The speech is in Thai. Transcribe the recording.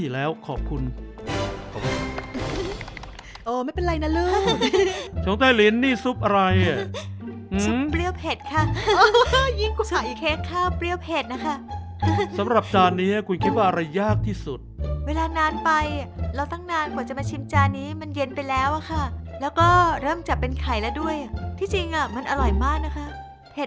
แล้วจะเกิดมาจากท้องพ่อท้องแม่